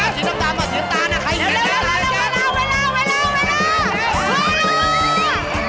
จัดแล้ว